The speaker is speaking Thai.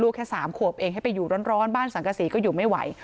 แค่๓ขวบเองให้ไปอยู่ร้อนบ้านสังกษีก็อยู่ไม่ไหว